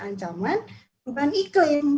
ancaman perubahan iklim